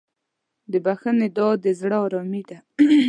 د بښنې دعا د زړه ارامي ده.